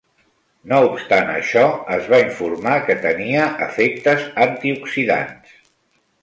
No obstant això, es va informar que tenia efectes antioxidants.